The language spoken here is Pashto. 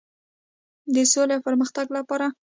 د سولې او پرمختګ لپاره.